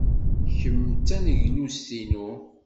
Kemm d taneglust-inu.